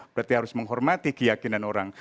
berarti harus menghormati keyakinan orang